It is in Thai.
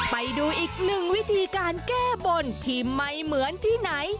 ไปดูอีกหนึ่งวิธีการแก้บนที่ไม่เหมือนที่ไหน